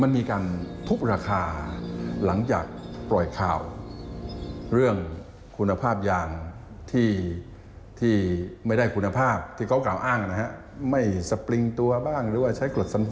มันมีการทุบราคาหลังจากปล่อยข่าวเรื่องคุณภาพยางที่ไม่ได้คุณภาพที่เขากล่าวอ้างนะฮะ